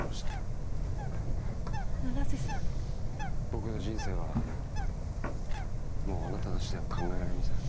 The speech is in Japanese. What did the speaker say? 僕の人生はもうあなたなしでは考えられません。